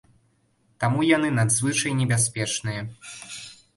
Таму яны надзвычай небяспечныя.